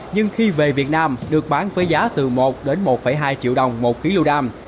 nhưng khi về việt nam được bán với giá từ một một hai triệu đồng một khí lưu đam